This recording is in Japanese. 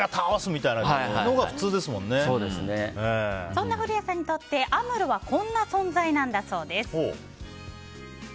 みたいなのがそんな古谷さんにとってアムロはこんな存在だそうです。